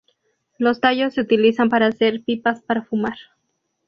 Los tallos se utilizan para hacer pipas para fumar.